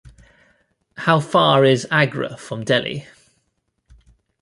How far is Agra from Delhi?